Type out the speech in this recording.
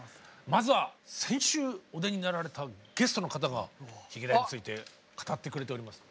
まずは先週お出になられたゲストの方がヒゲダンについて語ってくれております。